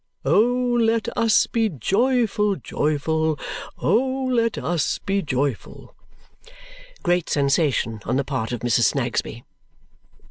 O let us be joyful, joyful! O let us be joyful!" Great sensation on the part of Mrs. Snagsby.